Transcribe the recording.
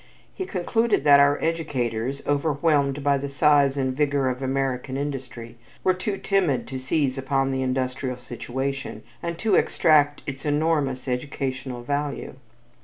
He concluded that our educators, overwhelmed by the size and vigor of American industry, were too timid to seize upon the industrial situation, and to extract its enormous educational value.